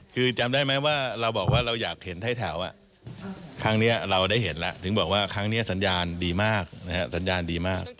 คือจำได้ไหมว่าเราบอกว่าเราอยากเห็นไทยแถวครั้งนี้เราได้เห็นแล้วถึงบอกว่าครั้งนี้สัญญาณดีมากสัญญาณดีมาก